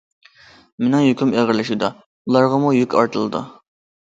مېنىڭ يۈكۈم ئېغىرلىشىدۇ، ئۇلارغىمۇ يۈك ئارتىلىدۇ.